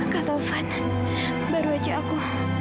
kak taufan baru aja aku